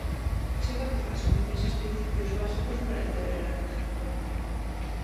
Chega con asumir eses principios básicos para integrar a plataforma.